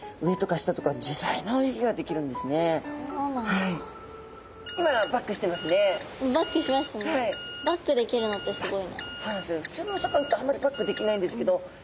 ふつうのお魚だとあんまりバックできないんですけど。